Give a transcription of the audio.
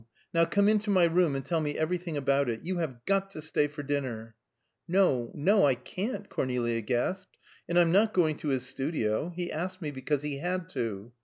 Now come into my room and tell me everything about it. You have got to stay for dinner." "No, no; I can't," Cornelia gasped. "And I'm not going to his studio. He asked me because he had to."